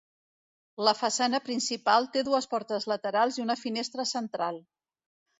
La façana principal té dues portes laterals i una finestra central.